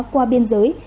qua biên giới